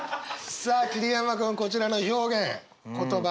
さあ桐山君こちらの表現言葉